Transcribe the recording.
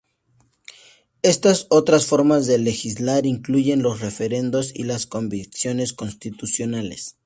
Estas otras formas de legislar incluyen los referendos y las convenciones constitucionales.